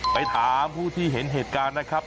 ไปถามผู้ที่เห็นเหตุการณ์นะครับ